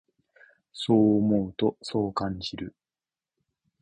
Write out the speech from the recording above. そう思うと、そう感じる。